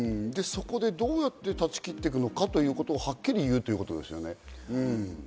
そこでどうやって断ち切っていくのかということをはっきり言うってことですよね。